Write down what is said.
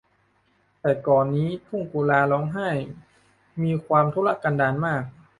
แต่ก่อนนี้ทุ่งกุลาร้องไห้นี้มีความทุรกันดารมาก